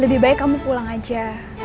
lebih baik kamu pulang aja